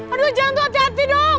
aduh jangan tuh hati hati dong